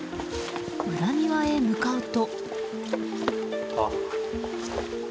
裏庭へ向かうと。